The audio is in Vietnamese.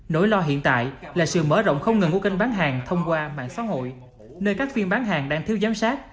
nỗi lo hiện tại là sự mở rộng không ngừng của kênh bán hàng thông qua mạng xã hội nơi các phiên bán hàng đang thiếu giám sát